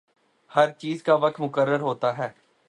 ہر چیز کا وقت مقرر ہوتا ہے۔